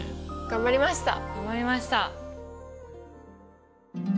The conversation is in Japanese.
頑張りました！